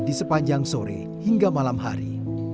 di sepanjang sore hingga malam hari